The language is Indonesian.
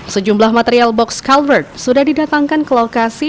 sejumlah material box culvert sudah didatangkan ke lokasi